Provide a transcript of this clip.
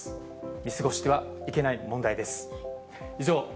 見過ごしてはいけない問題です。